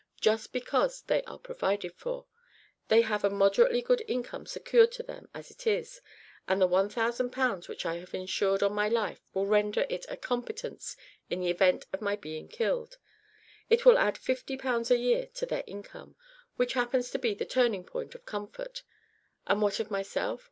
Just because they are provided for. They have a moderately good income secured to them as it is, and the 1000 pounds which I have insured on my life will render it a competence in the event of my being killed. It will add 50 pounds a year to their income, which happens to be the turning point of comfort. And what of myself?